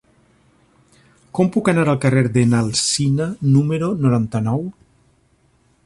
Com puc anar al carrer de n'Alsina número noranta-nou?